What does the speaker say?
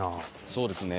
そうですね。